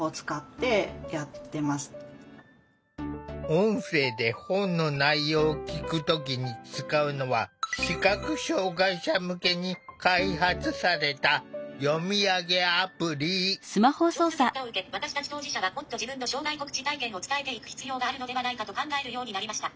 音声で本の内容を聞く時に使うのは視覚障害者向けに開発された「調査結果を受け私たち当事者はもっと自分の障害告知体験を伝えていく必要があるのではないかと考えるようになりました」。